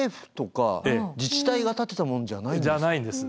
じゃないんです。